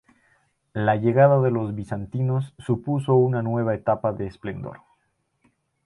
La llegada de los bizantinos supuso una nueva etapa de esplendor.